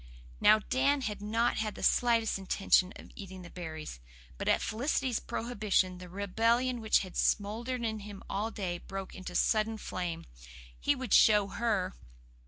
Now, Dan had not had the slightest intention of eating the berries. But at Felicity's prohibition the rebellion which had smouldered in him all day broke into sudden flame. He would show her!